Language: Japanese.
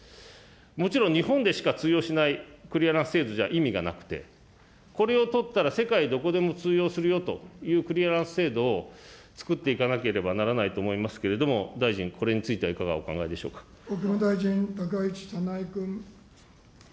もちろん、日本でしか通用しないクリアランス制度じゃ意味がなくて、これを取ったら世界どこでも通用するよというクリアランス制度を作っていかなければならないと思いますけれども、大臣、これにつ国務大臣、高市早苗君。